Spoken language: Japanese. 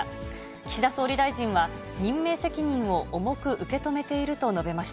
岸田総理大臣は、任命責任を重く受け止めていると述べました。